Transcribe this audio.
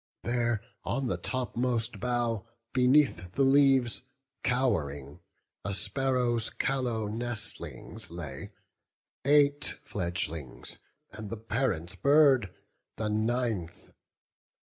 There, on the topmost bough, beneath the leaves Cow'ring, a sparrow's callow nestlings lay; Eight fledglings, and the parent bird the ninth.